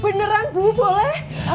beneran bu boleh